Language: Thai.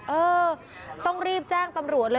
เออต้องรีบแจ้งตำรวจเลย